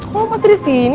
kok lo masih disini